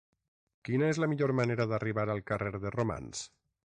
Quina és la millor manera d'arribar al carrer de Romans?